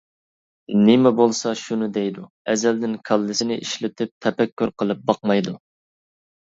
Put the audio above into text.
نېمە بولسا شۇنى دەيدۇ، ئەزەلدىن كاللىسىنى ئىشلىتىپ تەپەككۇر قىلىپ باقمايدۇ.